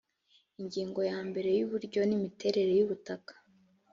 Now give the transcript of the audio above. ingingo ya mbere uburyo n imiterere yubutaka